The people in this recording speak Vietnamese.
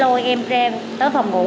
lôi em ra tới phòng ngủ